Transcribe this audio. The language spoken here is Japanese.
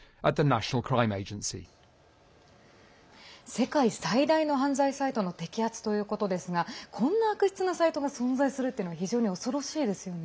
世界最大の犯罪サイトの摘発ということですがこんな悪質なサイトが存在するっていうのは非常に恐ろしいですね。